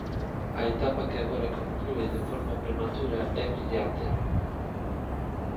A etapa que agora conclúe de forma prematura é brillante.